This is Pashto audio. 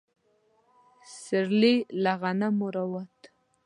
سيرلي له غنمو راووت.